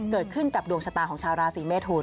เกิดขึ้นกับดวงชะตาของชาวราศีเมทุน